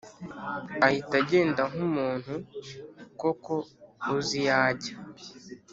ahita agenda nkumuntu koko uziyajya.